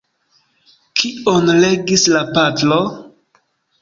Kion legis la patro?